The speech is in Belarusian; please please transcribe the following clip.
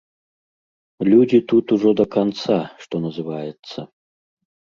Людзі тут ужо да канца, што называецца.